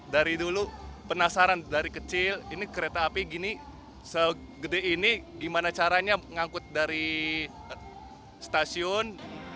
dari dulu penasaran dari kecil ini kereta api gini segede ini gimana caranya ngangkut dari stasiun